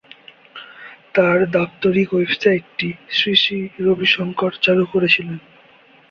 তাঁর দাপ্তরিক ওয়েবসাইটটি শ্রী শ্রী রবি শঙ্কর চালু করেছিলেন।